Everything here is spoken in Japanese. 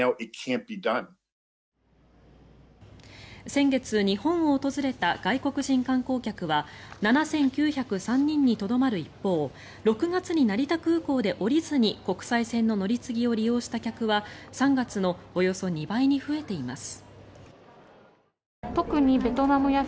先月日本を訪れた外国人観光客は７９０３人にとどまる一方６月に成田空港で降りずに国際線の乗り継ぎを利用した客は３月のおよそ２倍に増えています。